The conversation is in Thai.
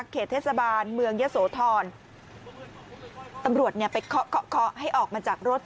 เขตเทศบาลเมืองเยอะโสธรตำรวจไปเคาะให้ออกมาจากรถ